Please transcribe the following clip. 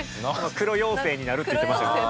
黒妖精になるって言ってましたから。